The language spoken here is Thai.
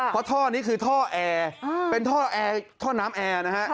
เพราะท่อนี้คือท่อแอร์เป็นท่อน้ำแอร์นะฮะ